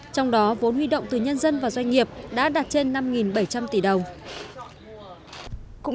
trong đó vốn huy động từ nhân dân và doanh nghiệp đã đạt trên năm bảy trăm linh tỷ đồng